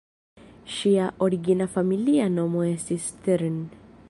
Ŝia origina familia nomo estis "Stern".